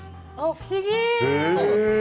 不思議だ。